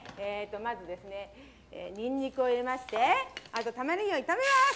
まずですねにんにくを入れましてあとたまねぎを炒めます。